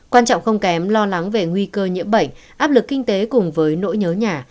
quan trọng không kém lo lắng về nguy cơ nhiễm bệnh áp lực kinh tế cùng với nỗi nhớ nhà